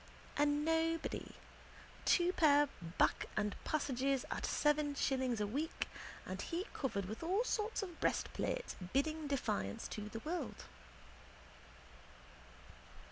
A nobody, two pair back and passages, at seven shillings a week, and he covered with all kinds of breastplates bidding defiance to the world.